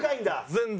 全然。